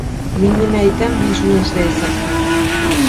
Мин нимә әйтәм, һин шуны эшләйәсәкһең.